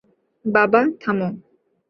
বাবা, থামো!